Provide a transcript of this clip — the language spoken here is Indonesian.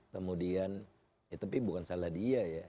kemudian ya tapi bukan salah dia ya